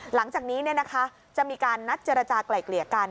หลังจากนี้จะมีการนัดเจรจากลายเกลี่ยกัน